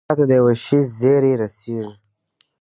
کله چې چا ته د يوه شي زېری رسېږي.